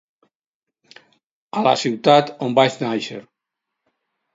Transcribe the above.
A la ciutat on vaig nàixer.